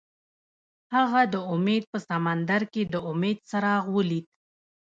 هغه د امید په سمندر کې د امید څراغ ولید.